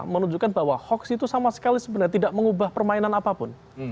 menunjukkan bahwa hoax itu sama sekali sebenarnya tidak mengubah permainan apapun